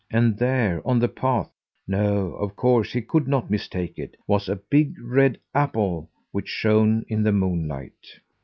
And there on the path no, of course he could not mistake it was a big red apple which shone in the moonlight.